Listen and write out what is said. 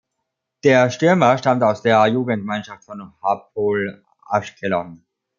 Der Stürmer stammt aus der Jugendmannschaft von Hapoel Aschkelon.